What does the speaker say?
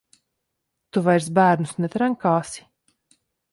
Tu vairs bērnus netrenkāsi?